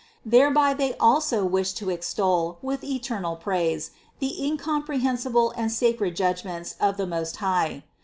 Thereby they also wished to extol with eternal praise the incomprehensible and sacred judgments of the Most High.